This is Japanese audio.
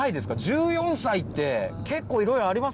１４歳って、結構いろいろありません？